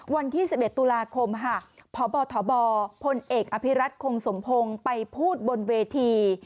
วันที่๑๑ตุลาคมพบทบพลเอกอภิรัตคงสมพงศ์ไปพูดบนเวที